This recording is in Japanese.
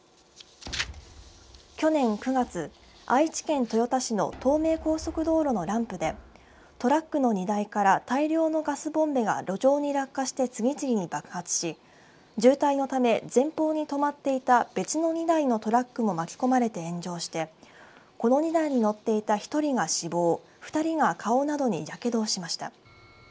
去年９月、愛知県豊田市の東名高速道路のランプでトラックの荷台から大量のガスボンベが路上に落下して次々に爆発し渋滞のため、前方に止まっていた別の２台のトラックも巻き込まれて炎上してこの２台に乗っていた１人が死亡２人が顔などにやけどをしました。